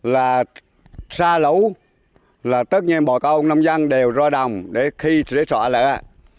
là xa lấu là tất nhiên bọn ông nông dân đều ro đồng để sọ lợi ạ